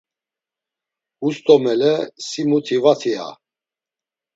Hus do mele, si muti vati a!